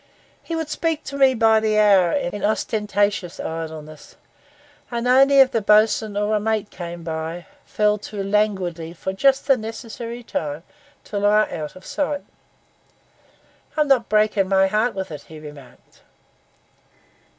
He would speak to me by the hour in ostentatious idleness; and only if the bo's'un or a mate came by, fell to languidly for just the necessary time till they were out of sight. 'I'm not breaking my heart with it,' he remarked.